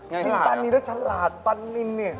กินปลานินแล้วฉลาดตันนินเนี่ย